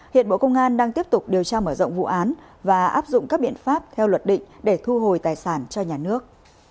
hiện bộ công an đang tiếp tục điều tra mở rộng vụ án và áp dụng các biện pháp theo luật định để thu hồi tài sản cho nhà nước